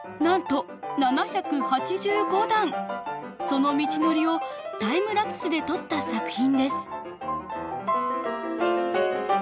その道のりをタイムラプスで撮った作品です。